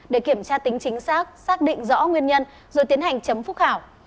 để kiểm tra tính chính xác xác định rõ nguyên nhân rồi tiến hành chấm phúc khảo